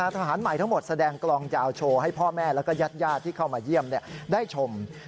ทหารใหม่ทั้งหมดแสดงกลองยาวโชว์ให้พ่อแม่แล้วก็ญาติที่เข้ามาเยี่ยมได้ชม